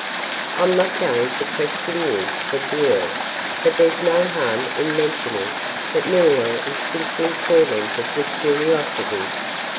"I'm not going to question you," said the Earl: "but there's no harm in mentioning that Muriel is simply tormented with curiosity!